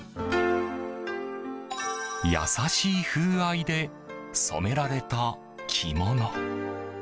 優しい風合いで染められた着物。